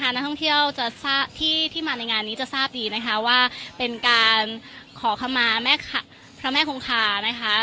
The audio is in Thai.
นักท่องเที่ยวที่มาในงานนี้จะทราบดีนะคะว่าเป็นการขอขมาพระแม่คงคานะคะ